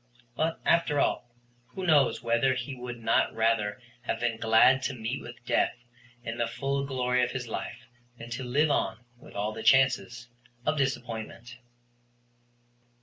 But, after all, who knows whether he would not rather have been glad to meet with death in the full glory of his life than to live on with all the chances of disappointment.